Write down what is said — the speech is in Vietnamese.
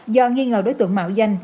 do nghi ngờ đối tượng mạo danh